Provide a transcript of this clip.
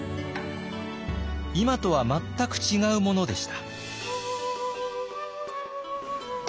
今とは全く違うものでした。